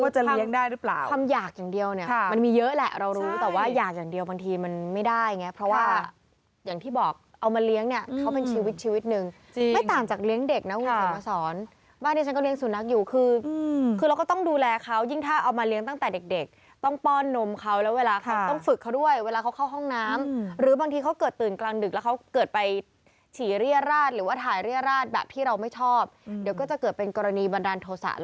ชีวิตชีวิตหนึ่งไม่ต่างจากเลี้ยงเด็กนะวุฒิมาสอนบ้านนี้ฉันก็เลี้ยงสูญนักอยู่คือเราก็ต้องดูแลเขายิ่งถ้าเอามาเลี้ยงตั้งแต่เด็กต้องป้อนนมเขาแล้วเวลาต้องฝึกเขาด้วยเวลาเขาเข้าห้องน้ำหรือบางทีเขาเกิดตื่นกลางดึกแล้วเขาเกิดไปฉีเรียราชหรือว่าถ่ายเรียราชแบบที่เราไม่ชอบเดี๋ยวก็จะเกิดเป็